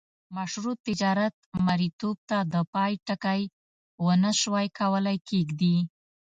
مشروع تجارت مریتوب ته د پای ټکی ونه سوای کولای کښيږدي.